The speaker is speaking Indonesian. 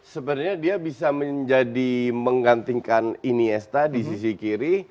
sebenarnya dia bisa menjadi menggantikan iniesta di sisi kiri